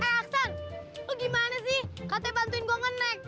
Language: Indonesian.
eh aksan lu gimana sih katanya bantuin gua ngenek